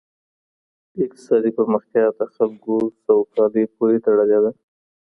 اقتصادي پرمختیا د خلګو سوکالۍ پوري تړلې ده.